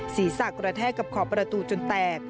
สีศักดิ์กระแทกกับขอบประตูจนแตก